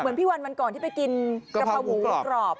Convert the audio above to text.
พี่วันวันก่อนที่ไปกินกะเพราหมูกรอบ